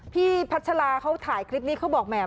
พัชราเขาถ่ายคลิปนี้เขาบอกแหม